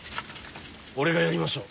俺がやりましょう。